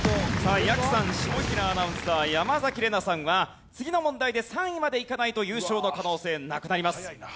さあやくさん下平アナウンサー山崎怜奈さんは次の問題で３位までいかないと優勝の可能性なくなります。